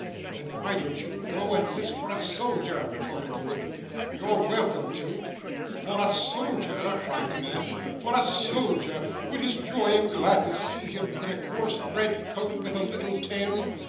'Then why don't you go and list for a soldier?' retorted the woman; 'you're welcome to.' 'For a soldier!' cried the man. 'For a soldier! Would his joy and gladness see him in a coarse red coat with a little tail?